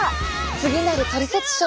次なるトリセツショーは。